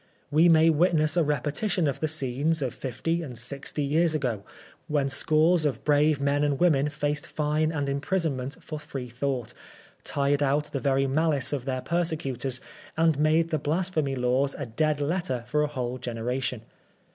We may witness a repetition of the scenes of fifty and sixty years ago, when scores of brave men and women faced fine and imprison ment for Freethought, tired out the very malice of their perse cutors, and made the Blasphemy Laws a dead letter for a whole generation.